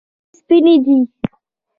شیدې سپینې دي.